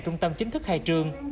trung tâm chính thức khai trương